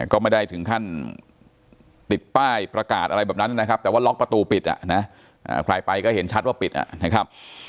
ก็ไม่ได้ถึงขั้นติดป้ายประกาศอะไรแบบนั้นนะครับแต่ว่าล็อกประตูปิดใครไปก็เห็นชัดว่าปิดนะครับ